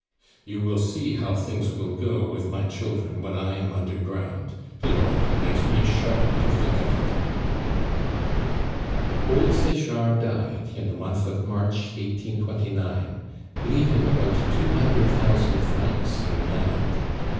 "You will see how things will go with my children when I am under ground. Lord! it makes me shudder to think of it." Old Sechard died in the month of March, 1929, leaving about two hundred thousand francs in land.